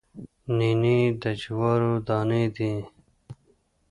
نینې د جوارو دانې دي